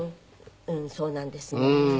うんそうなんですね。